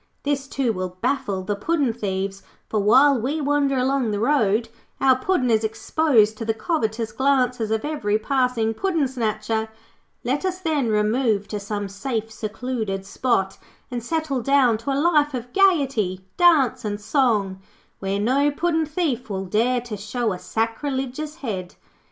This, too, will baffle the puddin' thieves, for while we wander along the road, our Puddin' is exposed to the covetous glances of every passing puddin' snatcher. Let us, then, remove to some safe, secluded spot and settle down to a life of gaiety, dance, and song, where no puddin' thief will dare to show a sacrilegious head.